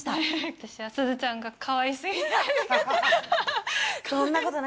私は、すずちゃんがかわいすぎてははははは。